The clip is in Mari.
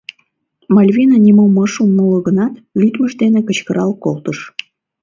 Мальвина нимом ыш умыло гынат, лӱдмыж дене кычкырал колтыш.